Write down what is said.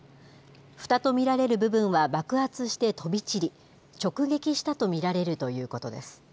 ふたと見られる部分は爆発して飛び散り、直撃したと見られるということです。